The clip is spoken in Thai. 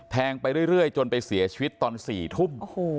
ไปเรื่อยจนไปเสียชีวิตตอน๔ทุ่ม